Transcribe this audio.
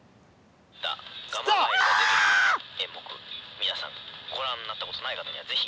「みなさんごらんになったことない方にはぜひ」。